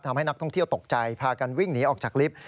ทำให้นักท่องเที่ยวตกใจพากันวิ่งหนีออกจากลิฟต์